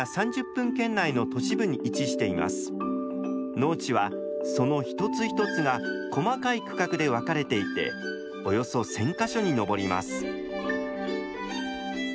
農地はその一つ一つが細かい区画で分かれていておよそ１，０００か所に上ります。